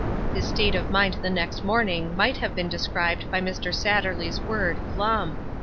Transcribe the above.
His state of mind the next morning might have been described by Mr. Satterley's word " glum."